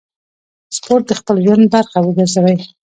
سپورت د خپل ژوند برخه وګرځوئ.